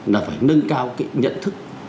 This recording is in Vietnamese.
là phải nâng cao cái nhận thức